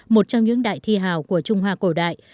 một trong những đại thi hào của trung hoa cổ đại